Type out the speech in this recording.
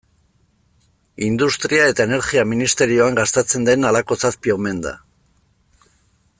Industria eta Energia ministerioan gastatzen den halako zazpi omen da.